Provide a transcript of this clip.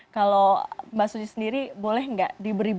kalau mbak suci sendiri boleh gak diberi bahwa